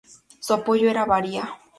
Su apodo era Varia.